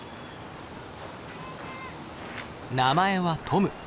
名前はトム。